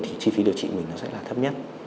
thì chi phí điều trị mình nó sẽ là thấp nhất